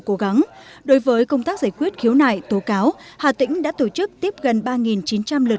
cố gắng đối với công tác giải quyết khiếu nại tố cáo hà tĩnh đã tổ chức tiếp gần ba chín trăm linh lượt